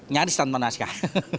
nyaris tanpa naskah